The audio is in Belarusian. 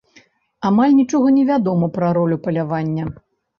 Амаль нічога не вядома пра ролю палявання.